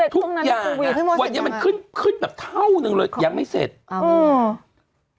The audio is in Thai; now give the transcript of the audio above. ทุกอย่างนะวันนี้มันขึ้นแบบเท่านึงเลยยังไม่เสร็จอืมจริง